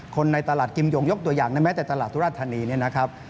คนในตลาดกิมโยงยกตัวอย่างแม้แต่ตลาดธุราฐธนีย์นี่นะครับ